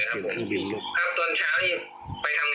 เพราะว่าเขาอยู่เมื่อวาน